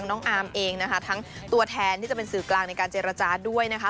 น้องอาร์มเองนะคะทั้งตัวแทนที่จะเป็นสื่อกลางในการเจรจาด้วยนะคะ